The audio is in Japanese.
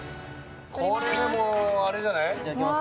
これでもうあれじゃない？